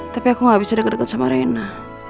tapi aku gak bisa deket deket sama reina